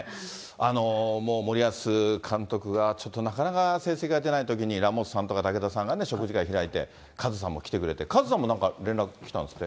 もう森保監督が、ちょっとなかなか成績が出ないときに、ラモスさんとか武田さんがね、食事会開いて、カズさんも来てくれて、カズさんもなんか連絡来たんですって？